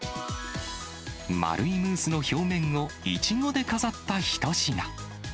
丸いムースの表面をイチゴで飾った一品。